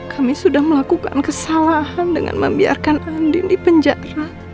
kami sudah melakukan kesalahan dengan membiarkan andin dipenjara